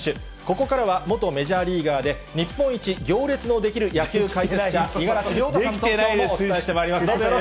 ここからは、元メジャーリーガーで、日本一行列の出来る野球解説者、五十嵐亮太さんときょうもお伝え出来てないですよ。